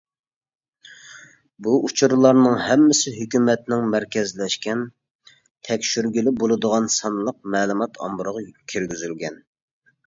بۇ ئۇچۇرلارنىڭ ھەممىسى ھۆكۈمەتنىڭ مەركەزلەشكەن، تەكشۈرگىلى بولىدىغان سانلىق مەلۇمات ئامبىرىغا كىرگۈزۈلگەن.